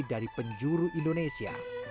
dari penjuru indonesia